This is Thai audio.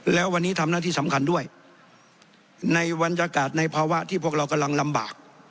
แล้ววันนี้ทำหน้าที่สำคัญด้วยในบรรยากาศในภาวะที่พวกเรากำลังลำบาก